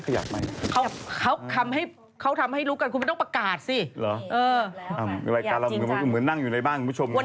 จะเหลงหมัวหลายรอบหน้ายายอินเนอร์หน้ายายต้องเฉย